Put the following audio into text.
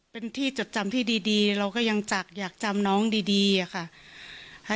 เป็นที่จดจำที่ดีเราก็ยังจักอยากจำน้องดีอะค่ะ